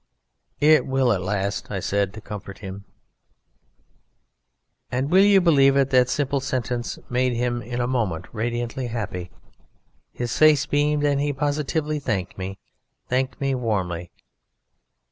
"It will at last," said I to comfort him. And, will you believe it, that simple sentence made him in a moment radiantly happy; his face beamed, and he positively thanked me, thanked me warmly.